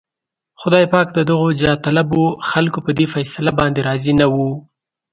خدای پاک د دغو جاهطلبو خلکو په دې فيصله باندې راضي نه و.